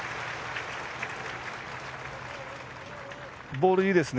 ボール、いいですね。